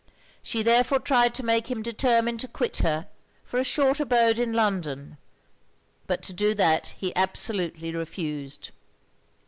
She therefore tried to make him determine to quit her, for a short abode in London; but to do that he absolutely refused.